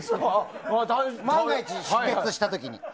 万が一、出血した時に。